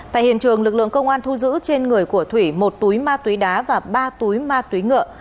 tại hiện trường lực lượng công an thu giữ trên người của thủy một túi ma túy đá và ba túi ma túy ngựa